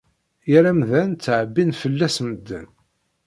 Yir amdan, ttɛebbin fell-as medden